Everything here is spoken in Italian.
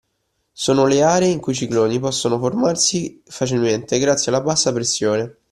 Sono le aree in cui i cicloni possono formarsi facilmente grazie alla bassa pressione